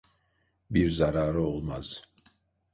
Bir zararı olmaz.